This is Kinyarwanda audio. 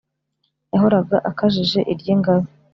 Yahoraga akajije iry’ingabe